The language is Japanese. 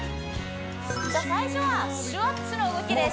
最初はシュワッチの動きです